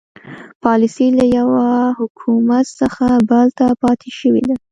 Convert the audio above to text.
پالیسي له یوه حکومت څخه بل ته پاتې شوې ده.